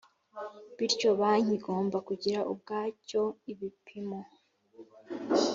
Bityo banki igomba kugira ubwacyo ibipimo